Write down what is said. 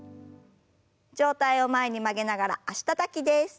上体を前に曲げながら脚たたきです。